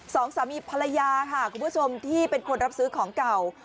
สองสามีภรรยาค่ะคุณผู้ชมที่เป็นคนรับซื้อของเก่า